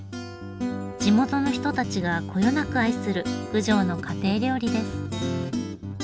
地元の人たちがこよなく愛する郡上の家庭料理です。